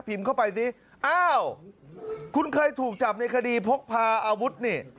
เข้าไปซิอ้าวคุณเคยถูกจับในคดีพกพาอาวุธนี่